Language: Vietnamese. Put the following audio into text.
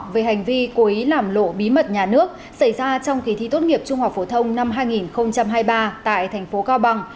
về hành vi cố ý làm lộ bí mật nhà nước xảy ra trong kỳ thi tốt nghiệp trung học phổ thông năm hai nghìn hai mươi ba tại thành phố cao bằng